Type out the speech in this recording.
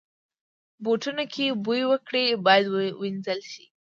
بوټونه که بوی وکړي، باید وینځل شي.